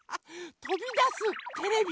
とびだすテレビ。